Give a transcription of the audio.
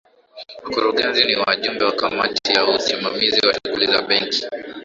wakurugenzi ni wajumbe wa kamati ya usimamizi wa shughuli za benki